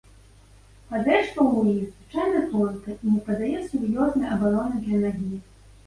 Падэшва ў іх звычайна тонкая і не падае сур'ёзнай абароны для нагі.